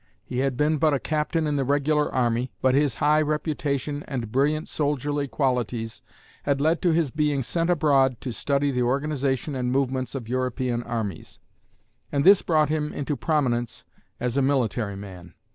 He had been but a captain in the regular army, but his high reputation and brilliant soldierly qualities had led to his being sent abroad to study the organization and movements of European armies; and this brought him into prominence as a military man.